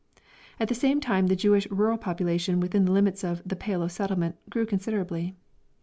At the same time, the Jewish rural population within the limits of the "Pale of Settlement" grew considerably.